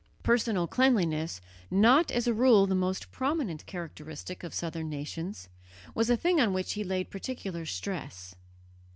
Personal cleanliness, not as a rule the most prominent characteristic of southern nations, was a thing on which he laid particular stress.